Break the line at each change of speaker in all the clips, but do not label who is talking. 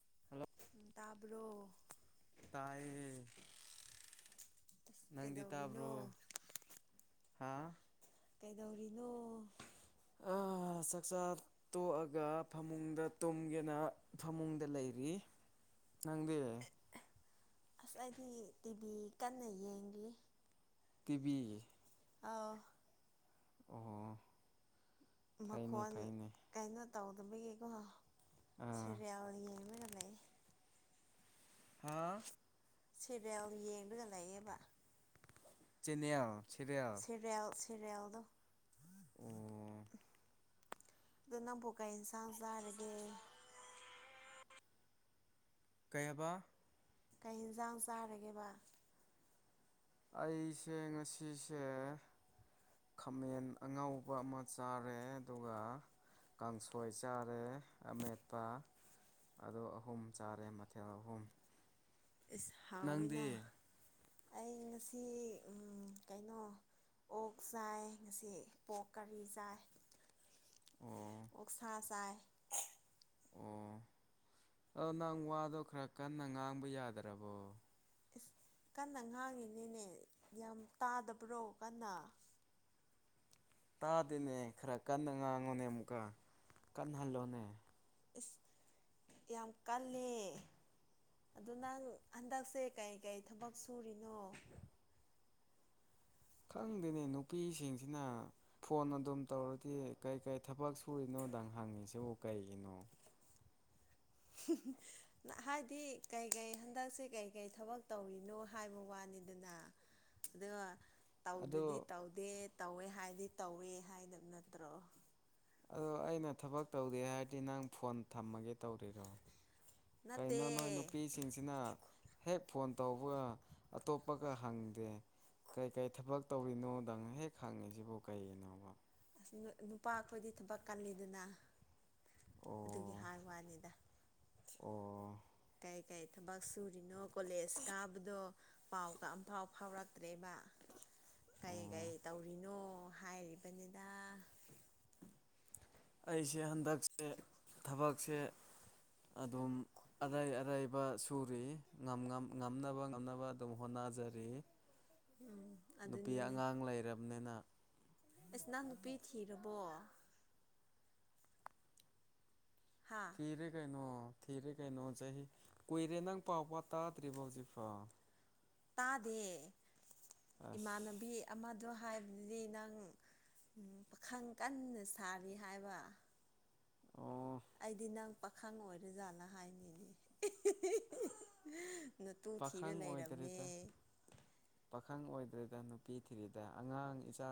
[unintelligible]
ꯇꯥꯕ꯭ꯔꯣ
ꯇꯥꯏꯌꯦ ꯅꯪꯗꯤ
ꯀꯩꯗꯧꯔꯤꯅꯣ
ꯇꯥꯕ꯭ꯔꯣ ꯍꯥꯥ
ꯀꯩꯗꯧꯔꯤꯅꯣ
ꯑ ꯆꯥꯛꯆ ꯇꯣꯛꯑꯒ ꯐꯃꯨꯡꯗ ꯇꯨꯝꯒꯦꯅ ꯐꯃꯨꯡꯗ ꯂꯩꯔꯤ ꯅꯪꯗꯤ
ꯑꯁ ꯑꯩꯗꯤ ꯇꯤꯚꯤ ꯀꯟꯅ ꯌꯦꯡꯂꯤꯌꯦ
ꯇꯤꯚꯤ
ꯑꯥꯎ
ꯑꯣ ꯐꯩꯅꯦ
ꯃꯈꯣꯟ
ꯐꯩꯅꯦ
ꯀꯩꯅꯣ ꯇꯧꯗꯕꯒꯤꯀꯣ
ꯑꯥ
ꯁꯤꯔꯦꯜ ꯌꯦꯡꯂꯒ ꯂꯩ
ꯍꯥꯥ
ꯁꯦꯔꯦꯜ ꯌꯦꯡꯗꯒ ꯂꯩꯥꯌꯦꯕ
ꯆꯦꯅꯦꯜ ꯁꯤꯔꯦꯜ
ꯁꯔꯤꯌꯦꯜ ꯁꯔꯤꯌꯦꯜꯗꯣ
ꯑꯣ
ꯑꯗꯨ ꯅꯪꯕꯨ ꯀꯩ ꯏꯟꯁꯥꯡ ꯆꯥꯔꯒꯦ
ꯀꯩ ꯍꯥꯏꯕ
ꯀꯩ ꯏꯟꯖꯥꯡ ꯆꯥꯔꯒꯦꯕ
ꯑꯩꯁꯦ ꯉꯁꯤꯁꯦ ꯈꯥꯃꯦꯟ ꯑꯉꯧꯕ ꯑꯃ ꯆꯥꯔꯦ ꯑꯗꯨꯒ ꯀꯥꯡꯁꯣꯏ ꯆꯥꯔꯦ ꯑꯃꯦꯠꯄ ꯑꯗꯣ ꯑꯍꯨꯝ ꯆꯥꯔꯦ ꯃꯊꯦꯜ ꯑꯍꯨꯝ
ꯏꯁ ꯍꯥꯎꯋꯤꯅ
ꯅꯪꯗꯤ
ꯑꯩ ꯉꯁꯤ ꯎꯝ ꯀꯩꯅꯣ ꯑꯣꯛ ꯆꯥꯏ ꯉꯁꯤ ꯄꯣꯛ ꯀꯔꯤ ꯆꯥꯏ
ꯑꯣ
ꯑꯣꯛꯁꯥ ꯆꯥꯏ
ꯑꯣ ꯑꯗꯣ ꯅꯪ ꯋꯥꯗꯣ ꯈꯔ ꯀꯟꯅ ꯉꯥꯡꯕ ꯌꯥꯗ꯭ꯔꯕꯣ
ꯏꯁ ꯀꯟꯅ ꯉꯥꯡꯉꯤꯅꯦꯅꯦ ꯌꯥꯝ ꯇꯥꯗꯕ꯭ꯔꯣ ꯀꯟꯅ
ꯇꯥꯗꯦꯅꯦ ꯈꯔ ꯀꯟꯅ ꯉꯥꯡꯉꯣꯅꯦ ꯑꯃꯨꯛꯀ ꯀꯟꯍꯜꯂꯣꯅꯦ
ꯏꯁ ꯌꯥꯝ ꯀꯜꯂꯦ ꯑꯗꯨ ꯅꯪ ꯍꯟꯗꯛꯁꯦ ꯀꯩ ꯀꯩ ꯊꯕꯛ ꯁꯨꯔꯤꯅꯣ
ꯈꯪꯗꯦꯅꯦ ꯅꯨꯄꯤꯁꯤꯡꯁꯤꯅ ꯐꯣꯟ ꯑꯗꯨꯝ ꯇꯧꯔꯗꯤ ꯀꯩ ꯀꯩ ꯊꯕꯛ ꯁꯨꯔꯤꯅꯣꯗꯪ ꯍꯪꯉꯁꯤꯕꯨ ꯀꯩꯒꯤꯅꯣ
ꯍꯥꯏꯗꯤ ꯀꯩꯀꯩ ꯍꯟꯗꯛꯁꯦ ꯀꯩꯀꯩ ꯊꯕꯛ ꯇꯧꯔꯤꯅꯣ ꯍꯥꯏꯕ ꯋꯥꯅꯤꯗꯅ ꯑꯗꯨꯒ
ꯑꯗꯣ
ꯇꯧꯗ꯭ꯔꯗꯤ ꯇꯧꯗꯦ ꯇꯧꯋꯦ ꯍꯥꯏꯗꯤ ꯇꯧꯋꯦ ꯍꯥꯏꯗꯕ ꯅꯠꯇ꯭ꯔꯣ
ꯑꯗꯣ ꯑꯩꯅ ꯊꯕꯛ ꯇꯧꯗꯦ ꯍꯥꯏꯔꯗꯤ ꯅꯪ ꯐꯣꯟ ꯊꯝꯃꯒꯦ ꯇꯧꯔꯤꯔꯣ
ꯅꯠꯇꯦ
ꯀꯩꯅꯣ ꯅꯣꯏ ꯅꯨꯄꯤ ꯁꯤꯡꯁꯤꯅ ꯍꯦꯛ ꯐꯣꯟ ꯇꯧꯕꯒ ꯑꯇꯣꯞꯄꯒ ꯍꯪꯗꯦ ꯀꯩꯀꯩ ꯊꯕꯛ ꯇꯧꯔꯤꯅꯣꯗꯪ ꯍꯦꯛ ꯈꯪꯉꯤꯁꯤꯕꯨ ꯀꯩꯒꯤꯅꯣꯕ
ꯑ ꯅꯨꯄꯥ ꯈꯣꯏꯗꯤ ꯊꯕꯛ ꯀꯜꯂꯤꯗꯅ ꯑꯗꯨꯒꯤ
ꯑꯣ
ꯍꯥꯏꯕꯨꯋꯥꯅꯤꯗ
ꯑꯣ
ꯀꯩ ꯀꯩ ꯊꯕꯛ ꯁꯨꯔꯤꯅꯣ ꯀꯣꯂꯦꯖ ꯀꯥꯕꯗꯣ ꯄꯥꯎꯗ ꯑꯝꯐꯥꯎ ꯐꯥꯎꯔꯛꯇ꯭ꯔꯦꯕ
ꯑꯣ
ꯀꯩꯀꯩ ꯇꯧꯔꯤꯅꯣ ꯍꯥꯏꯔꯤꯕꯅꯤꯗ
ꯑꯩꯁꯦ ꯍꯟꯗꯛꯁꯦ ꯊꯕꯛꯁꯦ ꯑꯗꯨꯝ ꯑꯔꯩ ꯑꯔꯩꯕ ꯁꯨꯔꯤ ꯉꯝ ꯉꯝ ꯉꯝꯅꯕ ꯉꯝꯅꯕ ꯑꯗꯨꯝ ꯍꯣꯠꯅꯖꯔꯤ
ꯎꯝ
ꯅꯨꯄꯤ
ꯑꯗꯨꯅꯤꯅꯦ
ꯑꯉꯥꯡ ꯂꯩꯔꯕꯅꯤꯅ
ꯑꯁ ꯅꯪ ꯅꯨꯄꯤ ꯊꯤꯔꯕꯣ ꯍꯥ
ꯊꯤꯔꯦ ꯀꯩꯅꯣ ꯊꯤꯔꯦ ꯀꯩꯅꯣ ꯆꯍꯤ ꯀꯨꯏꯔꯦ ꯅꯪ ꯄꯥꯎ ꯄꯥ ꯇꯥꯗ꯭ꯔꯤꯕꯣ ꯍꯧꯖꯤꯛꯐꯥꯎ
ꯇꯥꯗꯦ
ꯑꯁ
ꯏꯃꯥꯟꯅꯕꯤ ꯑꯃꯗꯣ ꯍꯥꯏꯕꯗꯗꯤ ꯅꯪ ꯄꯥꯈꯪ ꯎꯝ ꯄꯥꯈꯪ ꯀꯟꯅ ꯁꯥꯔꯤ ꯍꯥꯏꯕ
ꯑꯣ
ꯑꯩꯗꯤ ꯅꯪ ꯄꯥꯈꯪ ꯑꯣꯏꯔꯖꯥꯠꯂ ꯍꯥꯏꯅꯤꯅꯦ ꯅꯇꯨ ꯊꯤꯔ
ꯄꯥꯈꯪ
ꯂꯩꯔꯝꯃꯦ
ꯑꯣꯏꯗ꯭ꯔꯦꯗ ꯄꯥꯈꯪ ꯑꯣꯏꯗ꯭ꯔꯦꯗ ꯅꯨꯄꯤ ꯊꯤꯔꯤꯗ ꯑꯉꯥꯡ ꯏꯆꯥ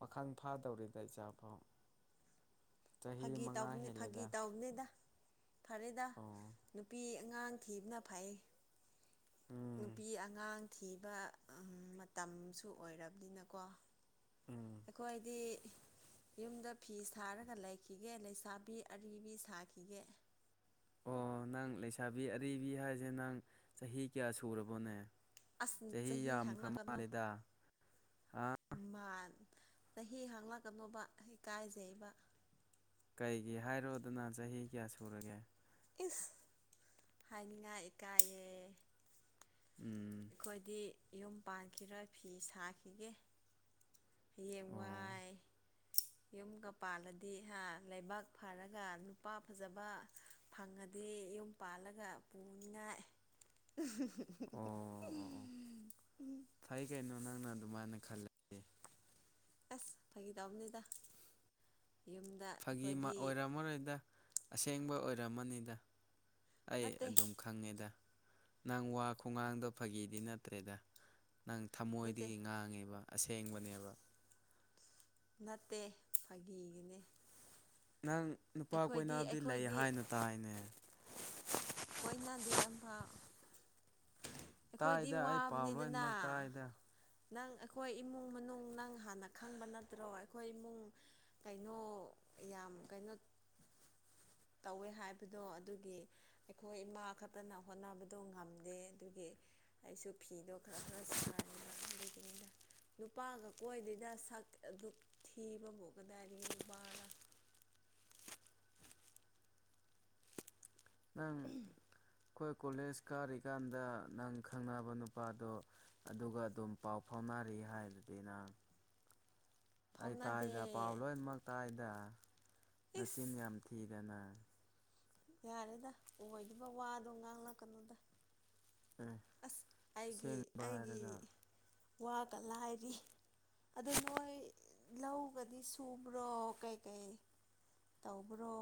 ꯄꯥꯈꯪ ꯐꯥꯗꯧꯔꯦꯗ ꯏꯆꯥ ꯐꯥꯎ
ꯐꯥꯒꯤ ꯇꯧꯕꯅꯦ ꯐꯥꯒꯤ ꯇꯧꯕꯅꯤꯗ ꯐꯔꯦꯗ
ꯑꯣ
ꯅꯨꯄꯤ ꯑꯉꯥꯡ ꯊꯤꯕꯅ ꯐꯩ
ꯎꯝ
ꯅꯨꯄꯤ ꯑꯉꯥꯡ ꯊꯤꯕ ꯑꯝ ꯃꯇꯝꯁꯨ ꯑꯣꯏꯔꯕꯅꯤꯅꯀꯣ
ꯎꯝ
ꯑꯩꯈꯣꯏꯗꯤ ꯌꯨꯝꯗ ꯐꯤ ꯁꯥꯔꯒ ꯂꯩ ꯈꯤꯒꯦ ꯂꯩꯁꯥꯕꯤ ꯑꯔꯤꯕꯤ ꯁꯥꯈꯤꯒꯦ
ꯑꯣ ꯅꯪ ꯂꯩꯁꯥꯕꯤ ꯑꯔꯤꯕꯤ ꯍꯥꯏꯁꯦ ꯅꯪ ꯆꯍꯤ ꯀꯌꯥ ꯁꯨꯔꯕꯣꯅꯦ
ꯑꯁ
ꯆꯍꯤ ꯌꯥꯝꯈ꯭ꯔ
ꯍꯥꯡꯂꯛꯀꯅꯨ
ꯃꯥꯜꯂꯦꯗ ꯍꯥ
ꯃꯥꯟ ꯆꯍꯤ ꯍꯪꯂꯛꯀꯅꯨꯕ ꯏꯀꯥꯏꯖꯩꯕ
ꯀꯩꯒꯤ ꯍꯥꯏꯔꯣꯗꯅ ꯆꯍꯤ ꯀꯌꯥ ꯁꯨꯔꯒꯦ
ꯏꯁ ꯍꯥꯏꯅꯤꯉꯥꯏ ꯏꯀꯥꯏꯌꯦ
ꯎꯝ
ꯈꯣꯏꯗꯤ ꯌꯨꯝ ꯄꯥꯟꯈꯤꯔꯣꯏ ꯐꯤ ꯁꯥꯈꯤꯒꯦ
ꯑꯣ
ꯍꯌꯦꯡꯋꯥꯏ ꯌꯨꯝꯒ ꯄꯥꯜꯂꯗꯤ ꯍꯥ ꯂꯥꯢꯕꯛ ꯐꯔꯒ ꯅꯨꯄꯥ ꯐꯖꯕ ꯐꯪꯉꯗꯤ ꯌꯨꯝ ꯄꯥꯜꯂꯒ ꯄꯨꯅꯤꯉꯥꯢ
ꯑꯣ ꯑꯣ ꯑꯣ
[unintelligible]
ꯐꯩ ꯀꯩꯅꯣ ꯅꯪꯅ ꯑꯗꯨꯃꯥꯏꯅ ꯈꯜꯂ
ꯑꯁ ꯐꯥꯒꯤ ꯇꯧꯕꯅꯤꯗ ꯌꯨꯝ
ꯐꯥꯒꯤ ꯃꯥ ꯑꯣꯏꯔꯝꯃꯔꯣꯏꯗ ꯑꯁꯦꯡꯕ ꯑꯣꯏꯔꯝꯃꯅꯤꯗ ꯑꯩ
ꯅꯠꯇꯦ
ꯑꯗꯨꯝ ꯈꯪꯉꯦꯗ ꯅꯪ ꯋꯥ ꯈꯨꯉꯥꯡꯗꯣ ꯐꯥꯒꯤꯗꯤ ꯅꯠꯇ꯭ꯔꯦꯗ ꯅꯪ
ꯅꯠꯇꯦ
ꯊꯃꯣꯏꯗꯒꯤ ꯉꯥꯡꯉꯦꯕ ꯑꯁꯦꯡꯕꯅꯦꯕ
ꯅꯠꯇꯦ ꯐꯥꯒꯤꯒꯤꯅꯦ
ꯅꯪ ꯅꯨꯄꯥ
ꯑꯩꯈꯣꯏꯗꯤ
ꯀꯣꯏꯅꯥꯕꯗꯤ ꯂꯩ
ꯑꯩꯈꯣꯏꯗꯤ
ꯍꯥꯏꯅ ꯇꯥꯏꯅꯦ
ꯀꯣꯏꯅꯗꯦ ꯑꯝꯐꯥꯎ ꯑꯩꯈꯣꯏꯗꯤ
ꯇꯥꯏꯗ ꯑꯩ ꯄꯥꯎ
ꯋꯥꯕꯅꯤꯗꯅ
ꯂꯣꯏꯅꯃꯛ ꯇꯥꯏꯗ
ꯅꯪ ꯑꯩꯈꯣꯏ ꯏꯃꯨꯡ ꯃꯅꯨꯡ ꯅꯪ ꯍꯥꯟꯅ ꯈꯪꯕ ꯅꯠꯇ꯭ꯔꯣ ꯑꯩꯈꯣꯏ ꯏꯃꯨꯡ ꯀꯩꯅꯣ ꯌꯥꯝ ꯀꯩꯅꯣ ꯇꯧꯋꯦ ꯍꯥꯏꯕꯗꯣ ꯑꯗꯨꯒꯤ ꯑꯩꯈꯣꯏ ꯏꯃꯥ ꯈꯠꯇꯅ ꯍꯣꯠꯅꯕꯗꯣ ꯉꯝꯗꯦ ꯑꯗꯨꯒꯤ ꯑꯩꯁꯨ ꯐꯤꯗꯣ ꯈꯔ ꯈꯔ ꯁꯥꯔꯤꯕ ꯑꯗꯨꯒꯤꯅꯤꯗ ꯅꯨꯄꯥꯒ ꯀꯣꯏꯗꯦꯗ ꯁꯛ ꯑꯗꯨꯛ ꯊꯤꯕꯕꯨ ꯀꯗꯥꯏꯗꯒꯤ ꯅꯨꯄꯥꯔ
ꯅꯪ ꯈꯣꯏ ꯀꯣꯂꯦꯖ ꯀꯥꯔꯤꯀꯥꯟꯗ ꯅꯪ ꯈꯪꯅꯕ ꯅꯨꯄꯥꯗꯣ ꯑꯗꯨꯒ ꯑꯗꯨꯝ ꯄꯥꯎ ꯐꯥꯎꯅꯔꯤ ꯍꯥꯏꯗꯨꯗꯤ ꯅꯪ ꯑꯩ
ꯐꯥꯎꯅꯗꯦ
ꯇꯥꯏꯗ ꯄꯥꯎ ꯂꯣꯏꯅꯃꯛ ꯇꯥꯏꯗ ꯅꯆꯤꯟ
ꯏꯁ
ꯌꯥꯝ ꯊꯤꯗ ꯅꯪ
ꯌꯥꯔꯦꯗ ꯑꯣꯏꯗꯕ ꯋꯥꯗꯣ ꯉꯥꯡꯂꯛꯀꯅꯨꯗ
ꯑꯦ
ꯑꯁ ꯑꯩꯒꯤ
ꯑꯁꯦꯡꯕ
ꯑꯩꯒꯤ
ꯍꯥꯏꯔꯒ
ꯋꯥꯒ ꯂꯥꯏꯔꯤ ꯑꯗꯨ ꯅꯣꯏ ꯂꯧꯒꯗꯤ ꯁꯨꯕ꯭ꯔꯣ ꯀꯩꯀꯩ ꯇꯧꯕꯔꯣ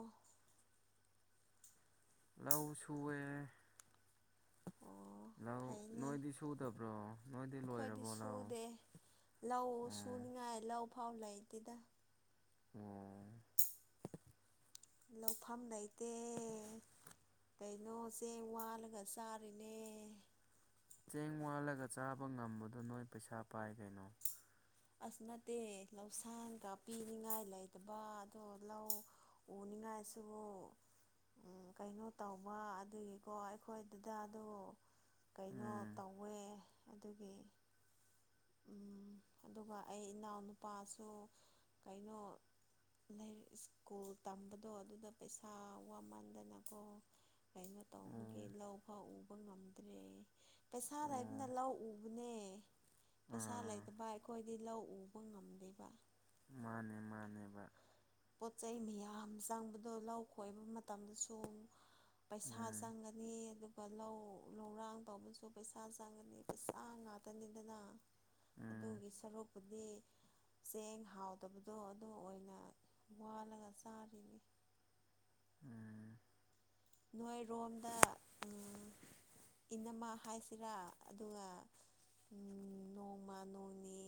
ꯂꯧ ꯁꯨꯋꯦ
ꯑꯣ
ꯂꯧ ꯅꯣꯏꯗꯤ ꯁꯨꯗꯕ꯭ꯔꯣ ꯅꯣꯏꯗꯤ
ꯈꯣꯏꯗꯤ
ꯂꯣꯏꯔꯕꯣ ꯂꯧ
ꯁꯨꯗꯦ ꯂꯧ
ꯎꯝ
ꯁꯨꯅꯤꯉꯥꯏ ꯂꯧ ꯐꯥꯎ ꯂꯩꯇꯦꯗ
ꯑꯣ
ꯂꯧꯐꯝ ꯂꯩꯇꯦ ꯑꯦ ꯀꯩꯅꯣ ꯆꯦꯡ ꯋꯥꯜꯂꯒ ꯆꯥꯔꯤꯅꯦ
ꯆꯦꯡ ꯋꯥꯜꯂꯒ ꯆꯥꯕ ꯉꯝꯕꯗꯣ ꯅꯣꯏ ꯄꯩꯁꯥ ꯄꯥꯏ ꯀꯩꯅꯣ
ꯑꯁ ꯅꯠꯇꯦ ꯂꯧꯁꯥꯟꯒ ꯄꯤꯅꯤꯡꯉꯥꯏ ꯂꯩꯇꯕ ꯑꯗꯣ ꯂꯧ ꯎꯅꯤꯉꯥꯏꯁꯨꯕꯨ ꯑ ꯀꯩꯅꯣ ꯇꯧꯕ ꯑꯗꯨꯒꯤꯀꯣ ꯑꯩꯈꯣꯏ ꯗꯗꯥꯗꯨ ꯀꯩꯅꯣ
ꯎꯝ
ꯇꯧꯋꯦ ꯑꯗꯨꯒꯤ ꯎ ꯑꯗꯨꯒ ꯑꯩ ꯏꯅꯥꯎꯅꯨꯄꯥꯁꯨ ꯀꯩꯅꯣ ꯂꯥꯏꯔꯤꯛ ꯁ꯭ꯀꯨꯜ ꯇꯝꯕꯗꯣ ꯑꯗꯨꯗ ꯄꯩꯁꯥ ꯋꯥꯃꯟꯗꯅꯀꯣ ꯀꯩꯅꯣ
ꯑꯣ
ꯇꯧꯕꯒꯤ ꯂꯧ ꯐꯥꯎ ꯎꯕ ꯉꯝꯗ꯭ꯔꯦ ꯄꯩꯁꯥ
ꯑꯣ
ꯂꯩꯕꯅ ꯂꯧ ꯎꯕꯅꯦ ꯄꯩꯁꯥ
ꯑꯥ
ꯂꯩꯇꯕ ꯑꯩꯈꯣꯏꯗꯤ ꯂꯧ ꯎꯕ ꯉꯝꯗꯦꯕ
ꯃꯥꯅꯦ ꯃꯥꯅꯦ ꯃꯥꯅꯦ
ꯄꯣꯠ ꯆꯩꯩ ꯃꯌꯥꯝ ꯆꯪꯕꯗꯣ ꯂꯧ ꯈꯣꯏꯕ ꯃꯇꯝꯗꯁꯨ ꯄꯩꯁꯥ
ꯎꯝ
ꯆꯪꯒꯅꯤ ꯑꯗꯨ ꯒ ꯂꯧ ꯂꯧꯔꯥꯡ ꯇꯧꯕꯁꯨ ꯄꯩꯁꯥ ꯆꯪꯉꯅꯤ ꯄꯩꯁꯥ ꯉꯥꯛꯇꯅꯤꯗꯅ
ꯎꯝ
ꯑꯗꯨꯒꯤ ꯁꯔꯨꯛꯄꯨꯗꯤ ꯆꯦꯡ ꯍꯥꯎꯗꯕꯗꯣ ꯑꯗꯨ ꯑꯣꯏꯅ ꯋꯥꯜꯂꯒ ꯆꯥꯔꯤꯅꯤ
ꯎꯝ
ꯅꯣꯏꯔꯣꯝꯗ ꯑ ꯏꯅꯃ ꯍꯥꯏꯁꯤꯔꯥ ꯑꯗꯨꯒ ꯎꯝ ꯅꯣꯡꯃ ꯅꯣꯡꯅꯤ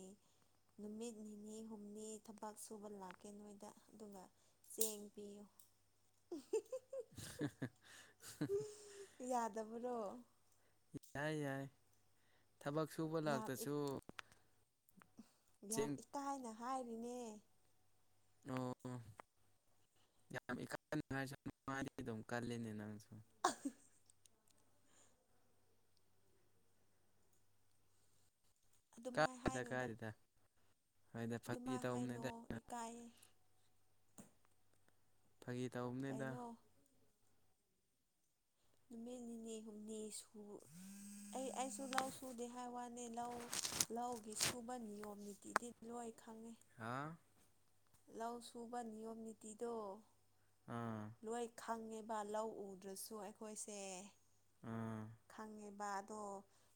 ꯅꯨꯃꯤꯠ ꯅꯤꯅꯤ ꯍꯨꯝꯅꯤ ꯊꯕꯛ ꯁꯨꯕ ꯂꯥꯛꯀꯦ ꯅꯣꯏꯗ ꯑꯗꯨꯒ ꯆꯦꯡ ꯄꯤꯌꯨ
[unintelligible]
ꯌꯥꯗꯕꯔꯣ
ꯌꯥꯏ ꯌꯥꯏ ꯊꯕꯛ ꯁꯨꯕ
ꯌꯥꯝ
ꯂꯥꯛꯇꯁꯨ
ꯌꯥꯝ
ꯆꯤꯡ
ꯏꯀꯥꯏꯅ ꯍꯥꯏꯔꯤꯅꯦ
ꯑꯣ ꯌꯥꯝ ꯏꯀꯥꯏꯅ ꯍꯥꯏꯁꯨ ꯃꯥꯏꯗꯤ ꯑꯗꯨꯝ ꯀꯜꯂꯤꯅꯦ ꯅꯪꯁꯦ
ꯑꯗꯨꯃꯥꯏ
ꯀꯥꯏꯗꯦꯗ
ꯍꯥꯏꯅꯨꯗ
ꯀꯥꯏꯗꯦꯗ ꯍꯣꯏꯗ ꯐꯥꯒꯤ
ꯑꯗꯨꯃꯥꯏ
ꯇꯧꯕꯅꯤꯗ
ꯍꯥꯏꯅꯣꯑꯣ ꯏꯀꯥꯏꯌꯦ
ꯐꯥꯒꯤ ꯇꯧꯕꯅꯤꯗ
ꯀꯩꯅꯣ ꯅꯨꯃꯤꯠ ꯅꯤꯅꯤ ꯍꯨꯝꯅꯤ ꯁꯨ ꯑꯩ ꯑꯩꯁꯨ ꯂꯧ ꯁꯨꯗꯦ ꯍꯥꯏ ꯋꯥꯅꯤ ꯂꯧ ꯂꯧꯒꯤ ꯁꯨꯕ ꯅꯤꯌꯣꯝ ꯅꯤꯇꯤꯗꯤ ꯂꯣꯏ ꯈꯪꯉꯤ
ꯍꯥ
ꯂꯧ ꯁꯨꯕ ꯅꯤꯌꯣꯝ ꯅꯤꯇꯤꯗꯣ
ꯑꯥ
ꯂꯣꯏ ꯈꯪꯉꯦꯕ ꯂꯧ ꯎꯗ꯭ꯔꯁꯨ ꯑꯩꯈꯣꯏꯁꯦ
ꯎꯝ
ꯈꯪꯉꯦꯕ ꯑꯗꯣ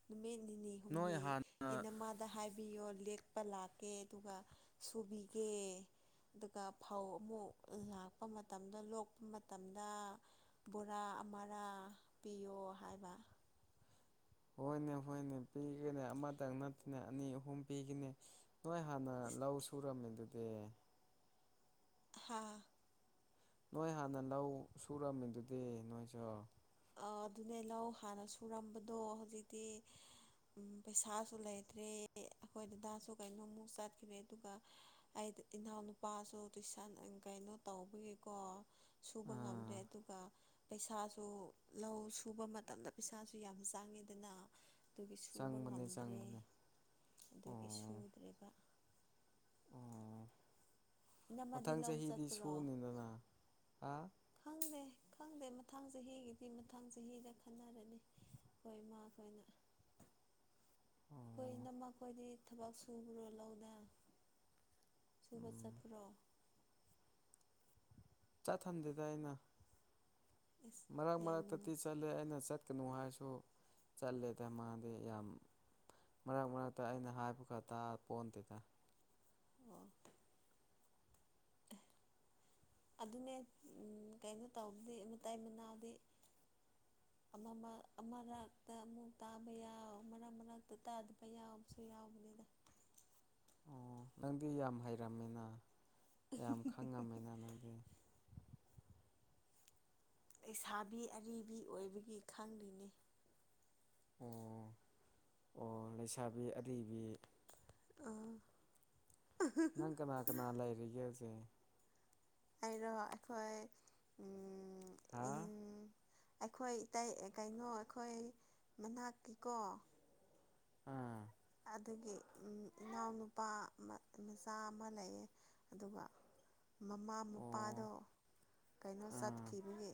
ꯅꯨꯃꯤꯠ ꯅꯤꯅꯤ
ꯅꯣꯏ
ꯍꯨꯝꯅꯤ
ꯍꯥꯟꯅ
ꯏꯅꯝꯃꯗ ꯍꯥꯏ ꯕꯤꯌꯣ ꯂꯦꯛꯄ ꯂꯥꯛꯀꯦ ꯑꯗꯨꯒ ꯁꯨꯕꯤꯒꯦ ꯗꯨꯒ ꯐꯧ ꯑꯃꯨꯛ ꯂꯥꯛꯄ ꯃꯇꯝꯗ ꯂꯣꯛꯄ ꯃꯇꯝꯗ ꯕꯣꯔꯥ ꯑꯃꯔꯥ ꯄꯤꯌꯣ ꯍꯥꯏꯕ
ꯍꯣꯏꯅꯦ ꯍꯣꯏꯅꯦ ꯄꯤꯒꯦꯅꯦ ꯑꯃꯇꯪ ꯅꯠꯇꯦꯅꯦ ꯑꯅꯤ ꯑꯍꯨꯝ ꯄꯤꯒꯤꯅꯦ ꯅꯣꯏ ꯍꯥꯟꯅ ꯂꯧ ꯁꯨꯔꯝꯃꯤ ꯗꯨꯗꯤ
ꯍꯥꯥ
ꯅꯣꯏ ꯍꯥꯟꯅ ꯂꯧ ꯁꯨꯔꯝꯃꯤꯗꯨꯗꯤ ꯅꯣꯏꯁꯨ
ꯑꯗꯨꯅꯦ ꯂꯧ ꯍꯥꯟꯅ ꯁꯨꯔꯝꯕꯗꯣ ꯍꯧꯖꯤꯛꯇꯤ ꯎꯝ ꯄꯩꯁꯥꯁꯨ ꯂꯩꯇ꯭ꯔꯦ ꯑꯈꯣꯏ ꯗꯗꯥꯁꯨ ꯀꯩꯅꯣꯃꯨꯛ ꯆꯠꯈ꯭ꯔꯦ ꯑꯗꯨꯒ ꯑꯩ ꯏꯅꯥꯎ ꯅꯨꯨꯄꯥꯁꯨ ꯇꯨꯏꯁꯟ ꯀꯩꯅꯣ ꯇꯧꯕꯒꯤꯀꯣ ꯁꯨꯕ ꯉꯝꯗ꯭ꯔꯦ
ꯑꯥ
ꯑꯗꯨꯒ ꯄꯩꯁꯥꯁꯨ ꯂꯧ ꯁꯨꯕ ꯃꯇꯝꯗ ꯄꯩꯁꯥꯁꯨ ꯌꯥꯝ ꯆꯪꯉꯦꯗꯅ ꯑꯗꯨꯒꯤ ꯁꯨꯕ
ꯆꯪꯕꯅꯦ
ꯉꯝꯗ꯭ꯔꯦ
ꯆꯪꯕꯅꯦ
ꯑꯗꯨꯒꯤ
ꯑꯣ
ꯁꯨꯗ꯭ꯔꯦꯕ
ꯑꯣ
ꯏꯅꯝꯃꯗꯤ
ꯃꯊꯪ
ꯂꯧ
ꯆꯍꯤꯗꯤ
ꯆꯠꯄ꯭ꯔꯣ
ꯁꯨꯅꯨꯅꯅ ꯑꯥ
ꯈꯪꯗꯦ ꯈꯪꯗꯦ ꯃꯊꯪ ꯆꯍꯤꯒꯤꯗꯤ ꯃꯊꯪ ꯆꯍꯤꯗ ꯈꯟꯅꯔꯅꯤ ꯍꯣꯏ ꯃꯥ ꯈꯣꯏꯅ ꯈꯣꯏ
ꯑꯣ
ꯏꯅꯝꯃ ꯈꯣꯏꯗꯤ ꯊꯕꯛ ꯁꯨꯕ꯭ꯔꯣ ꯂꯧꯗ ꯁꯨꯕ
ꯎꯝ
ꯆꯠꯄ꯭ꯔꯣ
ꯆꯠꯊꯟꯗꯦꯗ ꯑꯩꯅ
ꯑꯦꯁ
ꯃꯔꯛ
ꯌꯥꯝ ꯅꯨꯡꯉꯥꯏ
ꯃꯔꯛꯇꯗꯤ ꯆꯠꯂꯦ ꯑꯩꯅ ꯆꯠꯀꯅꯨ ꯍꯥꯏꯔꯁꯨ ꯆꯠꯂꯦꯗ ꯃꯥꯥꯗꯤ ꯌꯥꯝ ꯃꯔꯛ ꯃꯔꯛꯇ ꯑꯩꯅ ꯍꯥꯏꯕꯒ ꯇꯥꯄꯣꯟꯇꯦꯗ
ꯑꯣ ꯑꯗꯨꯅꯦ ꯎꯝ ꯀꯩꯅꯣ ꯇꯧꯕꯗꯤ ꯃꯇꯩ ꯃꯅꯥꯎꯗꯤ
[inaudible]
ꯑꯃꯥꯃ ꯑꯃꯔꯛꯇ ꯑꯃꯨꯛ ꯇꯥꯕ ꯌꯥꯎ ꯃꯔꯛ ꯃꯔꯛꯇ ꯇꯥꯗꯕ ꯌꯥꯎꯕꯁꯨ ꯌꯥꯎꯕꯅꯤꯗ
ꯑꯣ ꯅꯪꯗꯤ ꯌꯥꯝ ꯍꯩꯔꯝꯃꯤꯅ ꯌꯥꯝ ꯈꯪꯉꯝꯃꯤꯅ ꯅꯪꯗꯤ
ꯂꯩꯁꯥꯕꯤ ꯑꯔꯤꯕꯤ ꯑꯣꯏꯕꯒꯤ ꯈꯪꯔꯤꯅꯤ
ꯑꯣ ꯑꯣ ꯂꯩꯁꯥꯕꯤ ꯑꯔꯤꯕꯤ
ꯑ
ꯅꯪ ꯀꯅꯥ ꯀꯅꯥ ꯂꯩꯔꯤꯒꯦ ꯍꯧꯖꯤꯛ
ꯑꯩꯔꯣ ꯑꯩꯈꯣꯏ ꯑꯝ
ꯍꯥꯥ
ꯎꯝ ꯑꯩꯈꯣꯏ ꯏꯇꯩ ꯀꯩꯅꯣ ꯑꯈꯣꯏ ꯃꯅꯥꯛꯀꯤꯀꯣ
ꯑꯥ
ꯑꯗꯒꯤ ꯎꯝ ꯏꯅꯥꯎꯅꯨꯄꯥ ꯃꯆꯥ ꯑꯃ ꯂꯩꯌꯦ ꯑꯗꯨꯒ ꯃꯃꯥ
ꯑꯣ
ꯃꯄꯥꯗꯣ ꯀꯩꯅꯣ
ꯑꯥ
ꯆꯠꯈꯤꯕꯒꯤ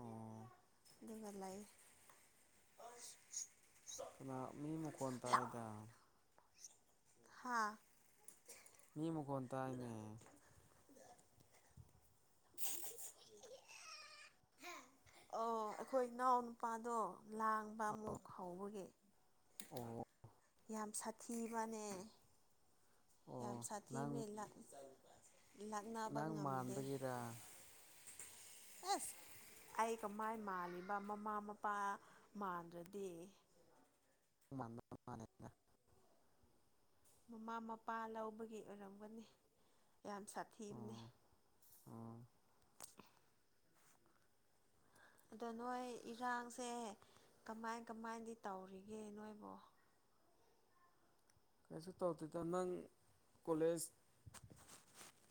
ꯑꯣ
ꯑꯗꯨꯒ ꯂꯩ
ꯀꯅꯥ ꯃꯤ ꯃꯈꯣꯟ ꯇꯥꯏꯗ
ꯍꯥꯥ
ꯃꯤ ꯃꯈꯣꯟ ꯇꯥꯏꯅꯦ
ꯑꯣ ꯑꯩꯈꯣꯏ ꯏꯅꯥꯎ ꯅꯨꯄꯥꯗꯣ ꯂꯥꯡꯕ
ꯑꯧ
ꯑꯃꯨꯛ ꯍꯧꯕꯒꯤ
ꯑꯣ
ꯌꯥꯝ ꯁꯥꯊꯤꯕꯅꯦ ꯌꯥꯝ
ꯑꯣ
ꯁꯥꯊꯤꯃꯤ
ꯅꯪ
ꯂꯥꯛ ꯂꯥꯛꯅ
ꯅꯪ ꯃꯥꯟꯕꯒꯤꯔ
ꯑꯁ ꯑꯩ ꯀꯃꯥꯏ ꯃꯥꯜꯂꯤꯕ ꯃꯃꯥ ꯃꯄꯥ ꯃꯥꯟꯗ꯭ꯔꯗꯤ
[inaudible]
ꯃꯃꯥ ꯃꯄꯥ ꯂꯧꯕꯒꯤ ꯑꯣꯏꯔꯝꯒꯅꯤ ꯌꯥꯝ ꯁꯥꯊꯤꯕꯅꯦ
ꯑꯣ ꯑꯣ
ꯑꯗꯣ ꯅꯣꯏ ꯏꯔꯥꯡꯁꯦ ꯀꯃꯥꯏ ꯀꯃꯥꯏꯗꯤ ꯇꯧꯔꯤꯒꯦ ꯅꯣꯏꯕꯣ
ꯀꯩꯁꯨ ꯇꯧꯗꯦꯗ ꯅꯪ ꯀꯣꯂꯦꯖ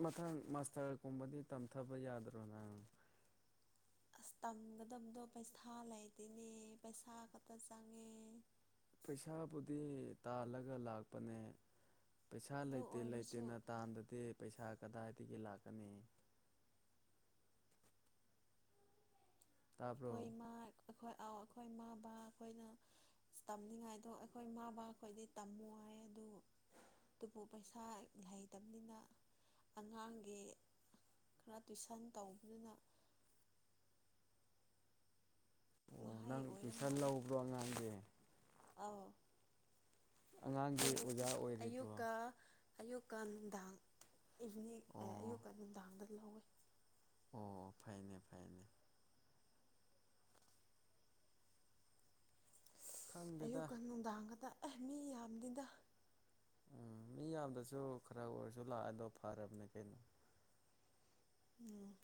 ꯃꯊꯪ ꯃꯥꯁꯇꯔꯒꯨꯝꯕꯗꯤ ꯇꯝꯊꯕ ꯌꯥꯗ꯭ꯔꯣꯅꯪꯪ
ꯑꯁ ꯇꯝꯒꯗꯕꯗꯣ ꯄꯩꯁꯥ ꯂꯩꯇꯦꯅꯦ ꯄꯩꯁꯥ ꯈꯛꯇ ꯆꯪꯉꯦ
ꯄꯩꯁꯥꯕꯨꯗꯤ ꯇꯥꯜꯂꯒ ꯂꯥꯛꯄꯅꯦ ꯄꯩꯁꯥ
ꯑꯗꯨ
ꯂꯩꯇꯦ
ꯑꯣꯏꯔꯁꯨ
ꯂꯩꯇꯦꯅ ꯇꯥꯟꯗꯗꯤ ꯄꯩꯁꯥ ꯀꯗꯥꯏꯗꯒꯤ ꯂꯥꯛꯀꯅꯤ ꯇꯥꯕ꯭ꯔꯣ
ꯑꯩꯈꯣꯏ ꯃꯥ ꯍꯣꯏ ꯑ ꯑꯈꯣꯏ ꯃꯥ ꯕꯥ ꯈꯣꯏꯅ ꯇꯝꯒꯅꯨ ꯍꯥꯏ ꯑꯗꯣ ꯑꯈꯣꯏ ꯃꯥ ꯕꯥ ꯈꯣꯏꯗꯤ ꯇꯝꯃꯣ ꯍꯥꯏ ꯑꯗꯨ ꯗꯨꯕꯨ ꯄꯩꯁꯥ ꯂꯩꯩꯇꯕꯅꯤꯅ ꯑꯉꯥꯡꯒꯤ ꯈꯔ ꯇꯨꯏꯁꯟ ꯇꯧꯕꯅꯤꯅ
ꯑꯣ
ꯃꯍꯩ
ꯅꯪ
ꯑꯣꯏꯔ
ꯇꯨꯏꯁꯟ ꯂꯧꯕ꯭ꯔꯣ ꯑꯉꯥꯡꯒꯤ
ꯑꯥꯎ
ꯑꯉꯥꯡꯒꯤ ꯑꯣꯖꯥ
ꯑꯌꯨꯛꯇꯁꯨ
ꯑꯣꯏꯔꯤꯕ꯭ꯔꯣ
ꯑꯌꯨꯛꯀ ꯑꯌꯨꯛꯀ ꯅꯨꯡꯗꯥꯡ ꯏꯚꯤꯅꯤꯡ ꯑꯦ
ꯑꯣ
ꯑꯌꯨꯛꯀ ꯅꯨꯡꯗꯥꯡꯗꯒꯤ ꯍꯧꯋꯦ
ꯑꯣ ꯐꯩꯅꯦ ꯐꯩꯅꯦ ꯈꯪꯗꯦꯗ
ꯑꯌꯨꯛꯀ ꯅꯨꯡꯗꯥꯡꯒꯗ ꯑꯦ ꯃꯤ ꯌꯥꯝꯗꯦꯗ
ꯎꯝ ꯃꯤ ꯌꯥꯝꯗꯁꯨ ꯈꯔ ꯑꯣꯏꯔꯁꯨ ꯂꯥꯛꯏꯗꯣ ꯐꯔꯕꯅꯦ ꯀꯩꯅꯣ
ꯎꯝ